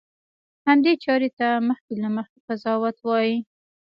همدې چارې ته مخکې له مخکې قضاوت وایي.